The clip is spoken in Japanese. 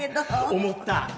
思った